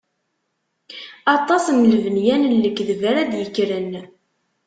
Aṭas n lenbiya n lekdeb ara d-ikkren.